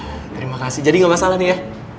terima kasih jadi gak masalah nih ya